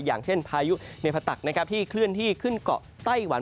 อย่างเช่นพายุเนพาตักนะครับที่เคลื่อนที่ขึ้นเกาะไต้หวัน